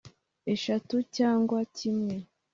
eshatu frw cyangwa kimwe